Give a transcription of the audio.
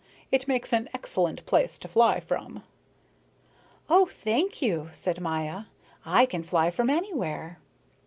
"It makes an excellent place to fly from." "Oh, thank you," said Maya, "I can fly from anywhere."